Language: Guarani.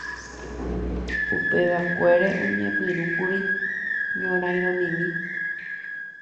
Upevakuére oñepyrũkuri ñorairõmimi.